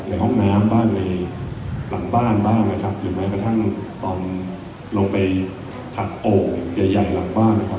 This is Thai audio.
ในห้องน้ำบ้างในหลังบ้านบ้างนะครับหรือแม้กระทั่งตอนลงไปขัดโอ่งใหญ่ใหญ่หลังบ้านนะครับ